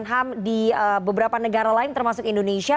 dan hampir di beberapa negara lain termasuk indonesia